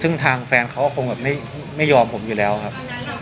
ซึ่งทางแฟนเขาก็คงแบบไม่ยอมผมอยู่แล้วครับ